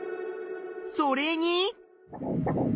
それに。